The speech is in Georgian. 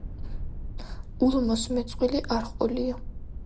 ულმოს მეწყვილე არ ჰყოლია.